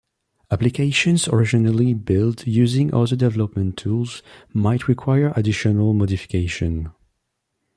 Applications originally built using other development tools might require additional modification.